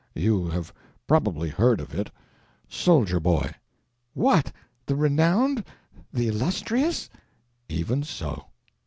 "You have probably heard of it—Soldier Boy." "What!—the renowned, the illustrious?" "Even so."